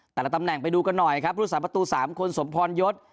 แต่ละตำแหน่งไปดูกันหน่อยครับผู้สาประตู๓คนสมพรยศ